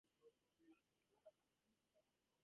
He qualified at and worked for Arthur Cox Solicitors.